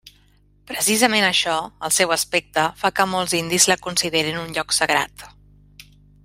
Precisament això, el seu aspecte, fa que molts indis la considerin un lloc sagrat.